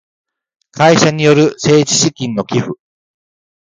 会社による政治資金の寄付